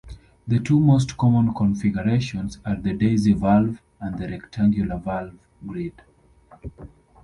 The two most common configurations are the daisy valve, and the rectangular valve grid.